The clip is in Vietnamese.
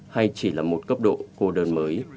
hay chỉ là một cấp độ cô đơn mới